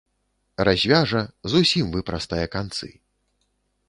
Развяжа, зусім выпрастае канцы.